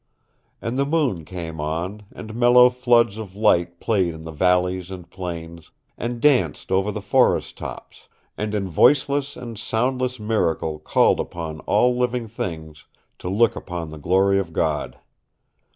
And the moon came on, and mellow floods of light played in the valleys and plains, and danced over the forest tops, and in voice less and soundless miracle called upon all living things to look upon the glory of God.